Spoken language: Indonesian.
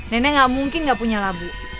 nenek gak mungkin gak punya labu